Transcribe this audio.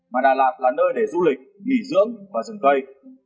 mà đà lạt là nơi để du lịch nghỉ dưỡng và rừng cây